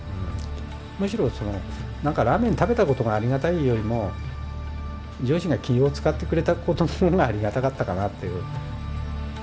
むしろそのラーメン食べたことがありがたいよりも上司が気を遣ってくれたことのほうがありがたかったかなっていう。